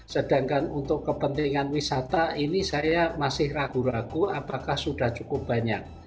sedangkan untuk kepentingan wisata ini saya masih ragu ragu apakah sudah cukup banyak